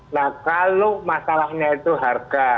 nah kalau masalahnya itu harga